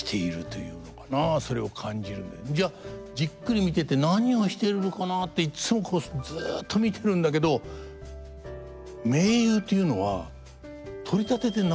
じゃあじっくり見てて何をしてるのかなっていっつもこうしてずっと見てるんだけど名優というのは取り立てて何もしてないんですよね。